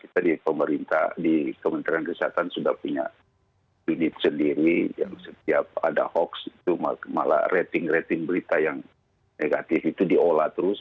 jadi pemerintah di kementerian kesehatan sudah punya unit sendiri yang setiap ada hoax itu malah rating rating berita yang negatif itu diolah terus